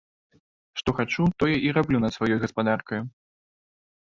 Што хачу, тое і раблю над сваёй гаспадаркаю!